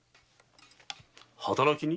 働きに？